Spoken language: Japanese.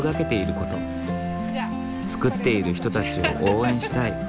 作っている人たちを応援したい。